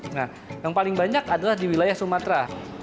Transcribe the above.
nah yang paling banyak adalah di wilayah sumatera